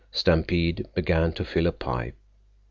Stampede began to fill a pipe.